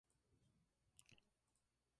Lema: "¡Por las buenas o por las balas!